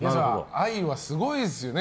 愛はすごいですよね。